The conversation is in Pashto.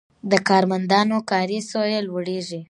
د کارمندانو کاري سویه لوړیږي.